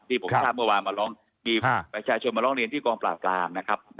ที่ผมทราบเมื่อวานมาร้องมีประชาชนมาร้องเรียนที่กองปราบรามนะครับ